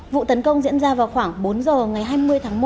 vụ tấn công diễn ra vào khoảng bốn giờ ngày hai mươi tháng một